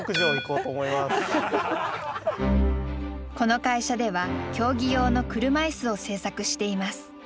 この会社では競技用の車いすを製作しています。